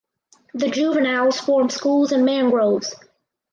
The juveniles form schools in mangroves.